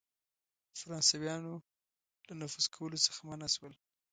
فرانسیویان له نفوذ کولو څخه منع سول.